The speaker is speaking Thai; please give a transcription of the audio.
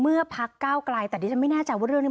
พักก้าวไกลแต่ดิฉันไม่แน่ใจว่าเรื่องนี้